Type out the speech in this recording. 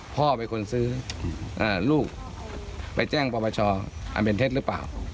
พ่อเป็นคนซื้อลูกไปแจ้งปรปชอันเป็นเท็จหรือเปล่า